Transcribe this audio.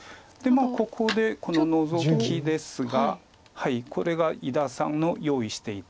ここでこのノゾキですがこれが伊田さんの用意していた手です。